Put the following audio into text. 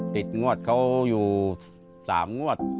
งวดเขาอยู่๓งวด